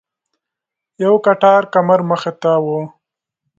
یو کټار کمر مخې ته و.